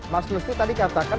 mas lusti tadi katakan